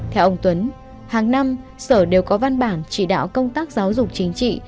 theo ông tuấn hàng năm sở đều có văn bản chỉ đạo công tác giáo dục chính trị